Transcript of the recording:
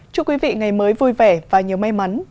chúc quý vị ngày mới vui vẻ và nhiều may mắn